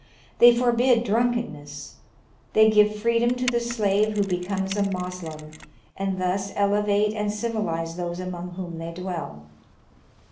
They forbid drunkenness. They give freedom to the slave who becomes a Moslem, and thus elevate and civilize those among whom they dwell.